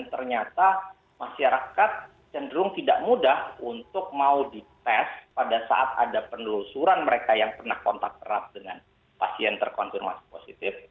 ternyata masyarakat cenderung tidak mudah untuk mau dites pada saat ada penelusuran mereka yang pernah kontak erat dengan pasien terkonfirmasi positif